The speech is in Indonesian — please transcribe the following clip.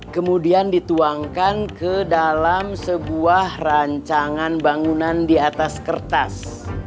kemudian dituangkan ke dalam sebuah rancangan bangunan di atas kertas